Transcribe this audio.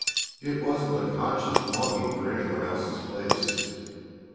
It wasn't a conscious longing for any one else's place.